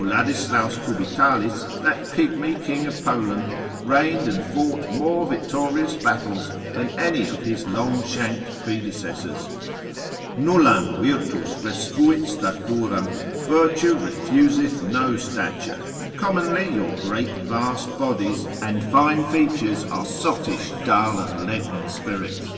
Dom._ 1306. Uladeslaus Cubitalis that pigmy king of Poland reigned and fought more victorious battles than any of his long shanked predecessors. Nullam virtus respuit staturam, virtue refuseth no stature, and commonly your great vast bodies, and fine features, are sottish, dull, and leaden spirits.